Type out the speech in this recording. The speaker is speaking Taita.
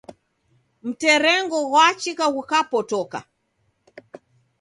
Mterengo gwachika ghukapotoka